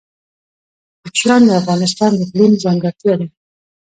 کوچیان د افغانستان د اقلیم ځانګړتیا ده.